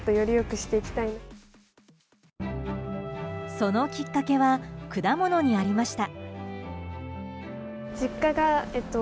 そのきっかけは果物にありました。